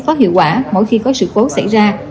có hiệu quả mỗi khi có sự cố xảy ra